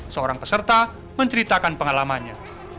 seorang peserta menceritakan pengalamannya